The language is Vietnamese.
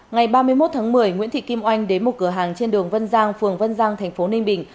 ngày ba mươi một tháng một mươi nguyễn thị kim oanh đến một cửa hàng trên đường vân giang phường vân giang thành phố ninh bình